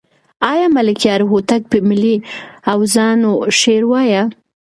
آیا ملکیار هوتک په ملي اوزانو شعر وایه؟